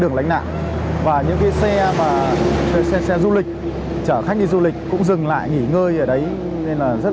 đường lánh nạn và những cái xe mà xe du lịch chở khách đi du lịch cũng dừng lại nghỉ ngơi ở đấy nên là rất